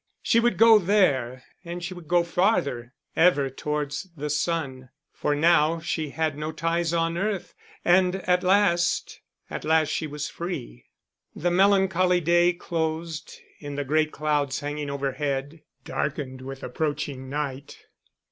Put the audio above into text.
She would go there and she would go farther, ever towards the sun; for now she had no ties on earth, and at last, at last she was free. The melancholy day closed in the great clouds hanging overhead darkened with approaching night.